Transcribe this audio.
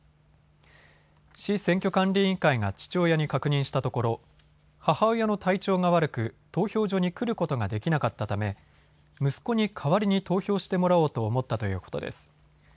市選挙管理委員会が父親に確認したところ、母親の体調が悪く、投票所に来ることができなかったため息子に代わりに投票してもらおうと思ったということです。